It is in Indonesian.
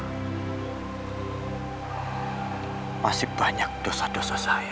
saya masih bikin peluh